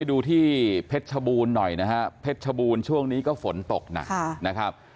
ดูที่เพชรบูนหน่อยนะครับทวงนี้ก็ฝนตกหนักนะครับ